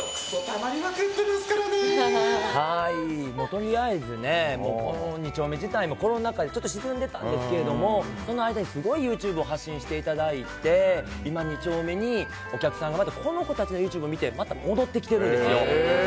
とりあえず２丁目自体もコロナ禍でちょっと沈んでたんですけどその間にすごいＹｏｕＴｕｂｅを発信していただいて今、２丁目にお客さんがこの子たちのＹｏｕＴｕｂｅを見てまた戻ってきてるんですよ。